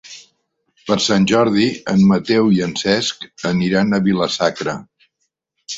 Per Sant Jordi en Mateu i en Cesc aniran a Vila-sacra.